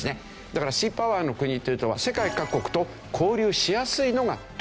だからシーパワーの国というと世界各国と交流しやすいのが特徴。